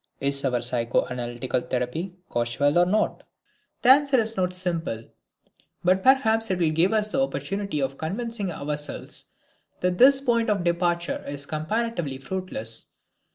Is our psychoanalytical therapy causal or not? The answer is not simple, but perhaps it will give us the opportunity of convincing ourselves that this point of departure is comparatively fruitless.